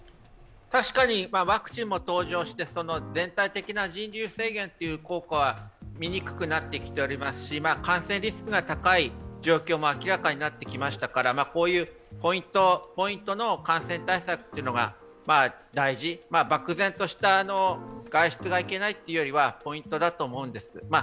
確かにワクチンも登場して全体的な人流制限という効果は見にくくなってきておりますし感染リスクが高い状況も明らかになってきましたからこういうポイント・ポイントの感染対策が大事、漠然とした外出がいけないというよりはポイントだと思うんです。